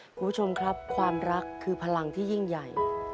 คุณผู้ชมครับความรักคือพลังที่ยิ่งใหญ่